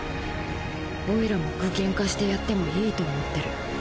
オイラも具現化してやってもいいと思ってる。